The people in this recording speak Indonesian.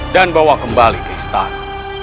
dan bawa kembali ke istana